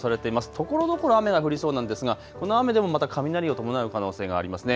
ところどころ雨が降りそうなんですがこの雨でまた雷を伴う可能性がありますね。